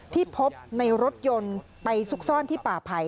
ที่พบในรถยนต์ไปซุกซ่อนที่ป่าไผ่